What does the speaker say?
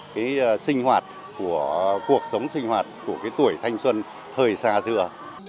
cái sinh hoạt của cuộc sống sinh hoạt của cái tuổi thanh xuân thời xa dựa